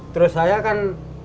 terus saya kan